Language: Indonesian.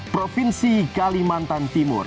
provinsi kalimantan timur